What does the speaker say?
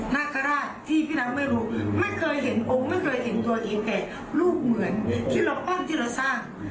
นาคาราชที่พี่นางไม่รู้ไม่เคยเห็นองค์ไม่เคยเห็นตัวเองแต่รูปเหมือนที่เราป้องที่เราสร้าง